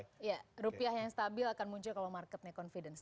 iya rupiah yang stabil akan muncul kalau marketnya confidence